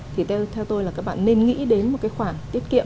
thì theo tôi là các bạn nên nghĩ đến một cái khoản tiết kiệm